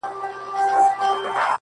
قاسم یار چي په ژړا کي په خندا سي,